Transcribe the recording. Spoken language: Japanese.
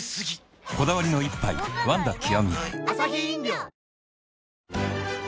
こだわりの一杯「ワンダ極」